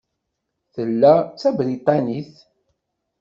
Tella d Tabriṭanit.